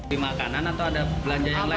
di makanan atau ada belanja yang lain